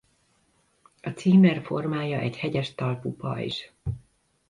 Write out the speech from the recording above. A címer formája egy hegyes talpú pajzs.